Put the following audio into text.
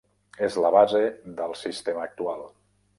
És la base del sistema actual.